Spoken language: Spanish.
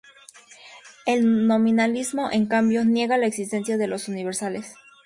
El nominalismo, en cambio, niega la existencia de los universales.